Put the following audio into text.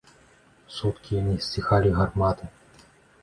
Суткі не сціхалі гарматы.